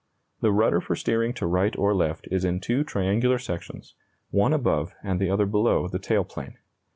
The rudder for steering to right or left is in two triangular sections, one above and the other below the tail plane.